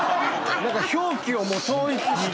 なんか表記を統一して。